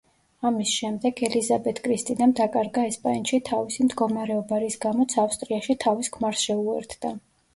ამის შემდეგ ელიზაბეთ კრისტინამ დაკარგა ესპანეთში თავისი მდგომარეობა, რის გამოც ავსტრიაში თავის ქმარს შეუერთდა.